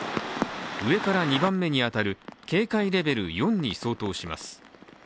上から２番目に当たる警戒レベル４に相当します。